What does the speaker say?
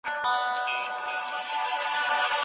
کمپيوټر د معلوماتو وسيله ده.